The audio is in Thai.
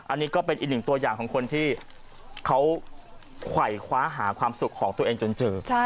อันนี้ก็เป็นอีกหนึ่งตัวอย่างของคนที่เขาไขว่คว้าหาความสุขของตัวเองจนเจอ